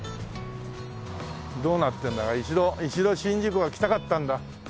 どうなってるんだか一度宍道湖は来たかったんだ。